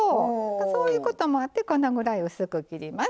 そういうこともあってこのぐらい薄く切ります。